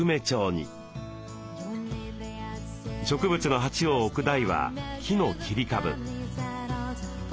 植物の鉢を置く台は木の切り株。